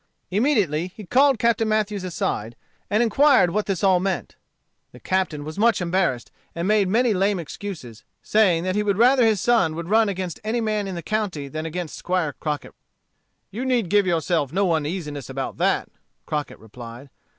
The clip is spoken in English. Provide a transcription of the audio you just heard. Immediately he called Captain Mathews aside, and inquired what this all meant. The Captain was much embarrassed, and made many lame excuses, saying that he would rather his son would run against any man in the county than against Squire Crockett. "You need give yourself no uneasiness about that," Crockett replied.